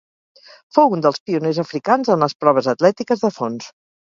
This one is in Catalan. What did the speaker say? Fou un dels pioners africans en les proves atlètiques de fons.